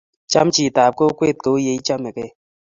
Cham chitab kokwet ko u yei chamegei